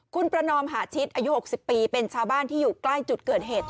คุณประนอมหาชิดอายุ๖๐ปีเป็นชาวบ้านที่อยู่ใกล้จุดเกิดเหตุ